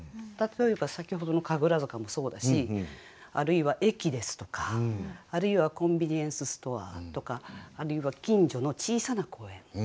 例えば先ほどの「神楽坂」もそうだしあるいは駅ですとかあるいはコンビニエンスストアとかあるいは近所の小さな公園